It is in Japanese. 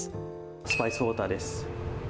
スパイスウォーターです。